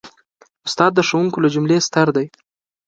استاد د ښوونکو له جملې ستر دی.